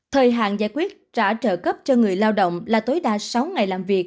thời hạn giải quyết trả trợ cấp cho người lao động là tối đa sáu ngày làm việc